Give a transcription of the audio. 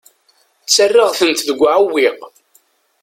Ttarraɣ-tent deg uɛewwiq.